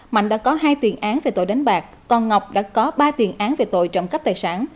mạnh đã có hai tiền án về tội đánh bạc còn ngọc đã có ba tiền án về tội trộm cắp tài sản